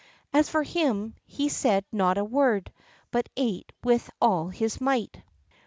As for him, he said not a word, but ate with all his might.